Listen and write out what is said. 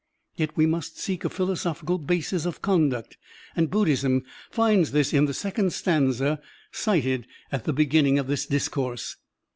Yet we must seek a philosophical basis of conduct. And Bud dhism finds this in the second stanza cited at the beginning of this discourse.